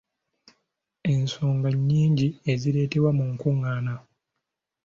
Ensonga nnyingi zireetebwa mu nkungaana.